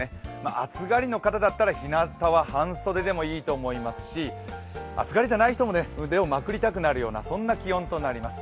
暑がりの方だったらひなたは半袖でもいいと思いますし暑がりじゃない人も腕をまくりたくなるような気温となります。